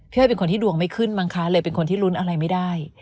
อ้อยเป็นคนที่ดวงไม่ขึ้นมั้งคะเลยเป็นคนที่ลุ้นอะไรไม่ได้